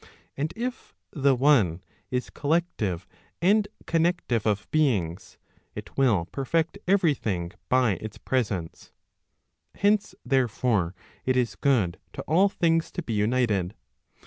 And if the one is collective and connective of beings, it will perfect every thing by its presence. Hence, therefore, it is good to all things to be united.